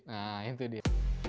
nah itu dia